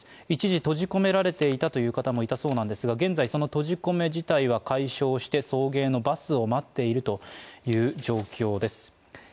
一時閉じ込められていたという方もいたそうなんですが現在その閉じ込め自体は解消して送迎のバスを待っているという状況です。